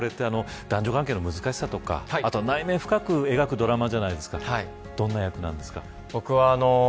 これって男女関係の難しさとか内面を深く描くドラマじゃないですかどんな役なんですか。